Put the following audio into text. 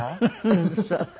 うんそう。